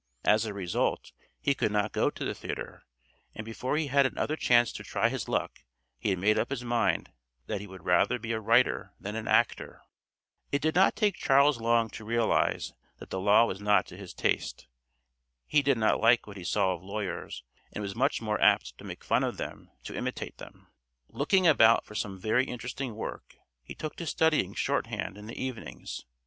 As a result he could not go to the theatre, and before he had another chance to try his luck he had made up his mind that he would rather be a writer than an actor. It did not take Charles long to realize that the law was not to his taste. He did not like what he saw of lawyers, and was much more apt to make fun of than to imitate them. Looking about for some more interesting work, he took to studying short hand in the evenings.